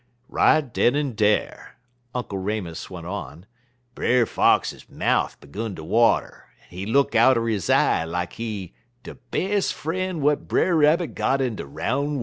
"Right den en dar," Uncle Remus went on, "Brer Fox mouf 'gun ter water, en he look outer he eye like he de bes' frien' w'at Brer Rabbit got in de roun' worl'.